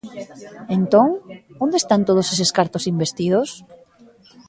Entón, ¿onde están todos eses cartos investidos?